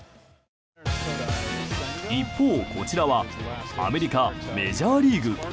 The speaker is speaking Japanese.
一方、こちらはアメリカ・メジャーリーグ。